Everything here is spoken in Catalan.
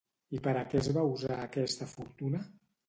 I per a què es va usar aquesta fortuna?